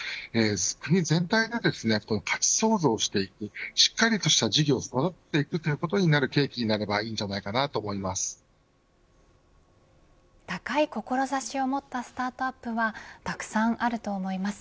国全体が価値創造していくしっかりとした事業を育てていくことになる契機になればいい高い志を持ったスタートアップはたくさんあると思います。